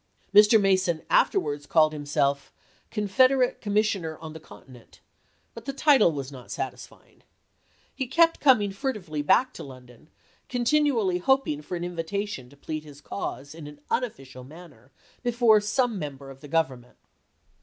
Mr. Mason afterwards called himself "Confederate Commis sioner on the Continent," but the title was not satis fying. He kept coming furtively back to London, continually hoping for an invitation to plead his cause in an unofficial manner before some member of the Government.